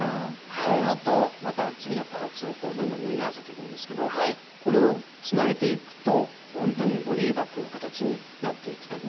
そのあとまた次のパーツをどんどん縫い合わせていくんですけどこれをつなげていくとほんとにボディーバッグの形になっていくという。